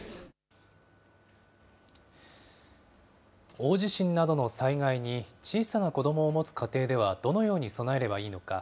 大地震などの災害に、小さな子どもを持つ家庭では、どのように備えればいいのか。